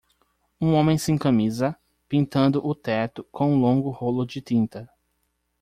Um homem sem camisa, pintando o teto com um longo rolo de tinta.